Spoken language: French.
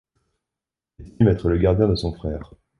Il estime être le gardien de son frère.